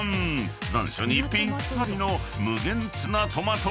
残暑にぴったりの］